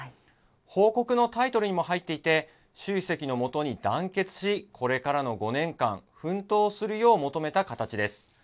報告のタイトルにも入っていて、習主席のもとに団結し、これからの５年間、奮闘するよう求めた形です。